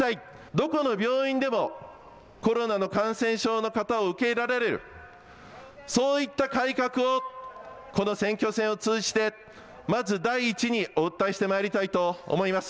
どこの病院でもコロナの感染症の方を受け入れられる、そういった改革をこの選挙戦を通じてまず第１にお訴えしてまいりたいと思います。